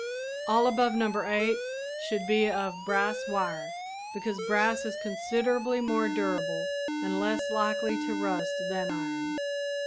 All above No. 8 should be of brass wire, because brass is considerably more durable and less likely to rust than iron.